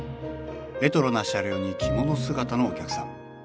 レトロな車両に着物姿のお客さん。